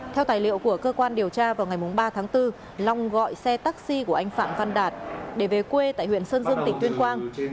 theo tài liệu của cơ quan điều tra vào ngày ba tháng bốn long gọi xe taxi của anh phạm văn đạt để về quê tại huyện sơn dương tỉnh tuyên quang